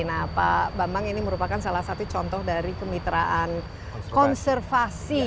nah pak bambang ini merupakan salah satu contoh dari kemitraan konservasi